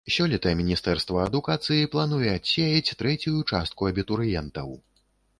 Сёлета міністэрства адукацыі плануе адсеяць трэцюю частку абітурыентаў.